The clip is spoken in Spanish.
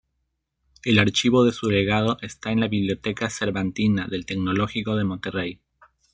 El archivo de su legado está en la Biblioteca Cervantina del Tecnológico de Monterrey.